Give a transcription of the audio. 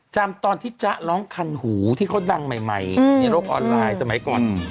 จำตอนที่จ๊ะร้องคันหูที่เขาดังใหม่ในโลกออนไลน์สมัยก่อน